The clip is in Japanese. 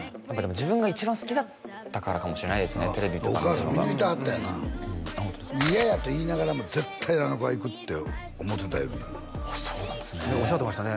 自分が一番好きだったからかもしれないですねテレビとか見るのがお母さん見抜いてはったんやなああホントですか嫌やと言いながらも絶対あの子は行くって思ってた言うのよああそうなんですねおっしゃってましたね